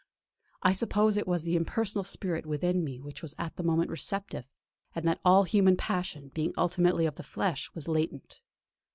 I suppose it was the impersonal spirit within me which was at the moment receptive, and that all human passion, being ultimately of the flesh, was latent.